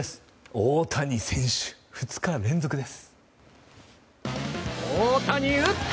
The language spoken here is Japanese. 大谷選手、２日連続です。